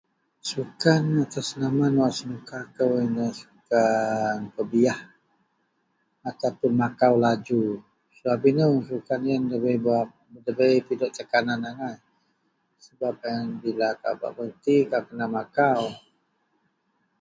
Sukan atau senaman senuka kou iyenlah sukan pebiyah atau puon makau laju sebab inou sukan iyen nda bei pidok teknanan angai sebab ieyn bila kaau bereti kaau kena makau.